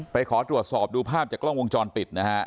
ขอตรวจสอบดูภาพจากกล้องวงจรปิดนะฮะ